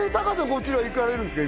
こちらは行かれるんですか？